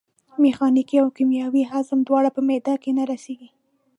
میخانیکي او کیمیاوي هضم دواړه په معدې کې نه رسېږي.